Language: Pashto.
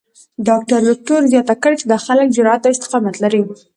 ډاکټر وېکټور زیاته کړې چې دا خلک جرات او استقامت لري.